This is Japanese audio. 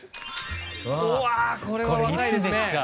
うわこれは若いですね！